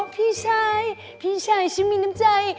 พี่ชายพี่ชายฉันมีน้ำใจ